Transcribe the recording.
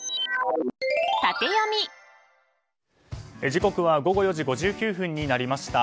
時刻は午後４時５９分になりました。